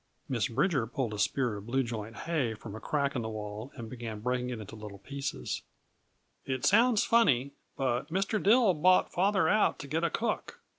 Miss Bridger pulled a spear of blue joint hay from a crack in the wall and began breaking it into tiny pieces. "It sounds funny, but Mr. Dill bought father out to get a cook.